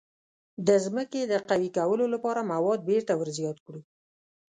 د ځمکې د قوي کولو لپاره مواد بیرته ور زیات کړو.